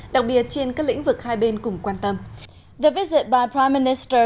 đặc biệt trên các lĩnh vực hai bên cùng quan tâm